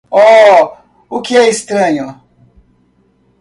Oh, o que é estranho?